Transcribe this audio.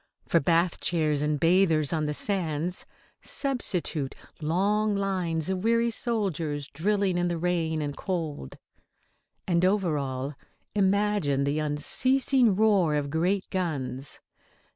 For bathchairs and bathers on the sands substitute long lines of weary soldiers drilling in the rain and cold. And over all imagine the unceasing roar of great guns.